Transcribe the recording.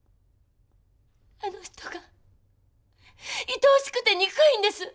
あの人が愛おしくて憎いんです。